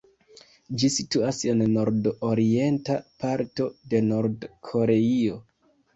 Ĝi situas en nord-orienta parto de Nord-Koreio.